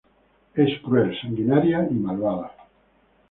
Es cruel, sanguinaria y malvada.